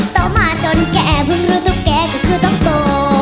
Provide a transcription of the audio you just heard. ต่อมาจนแกบึงรู้ตุ๊กแกก็คือตุ๊กโต